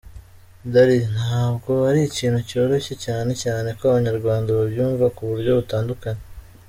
Dady: Ntabwo ari ikintu cyoroshye cyane cyane ko Abanyarwanda babyumva ku buryo butandukanye.